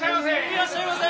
いらっしゃいませ！